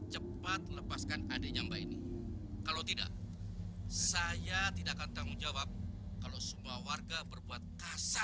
sampai jumpa di video selanjutnya